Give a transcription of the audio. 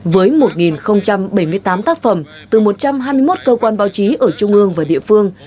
với một bảy mươi tám tác phẩm từ một trăm hai mươi một cơ quan báo chí ở trung ương và địa phương